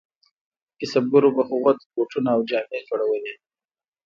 کسبګرو به هغو ته بوټونه او جامې جوړولې.